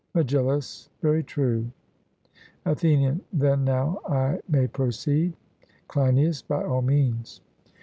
MEGILLUS: Very true. ATHENIAN: Then now I may proceed? CLEINIAS: By all means.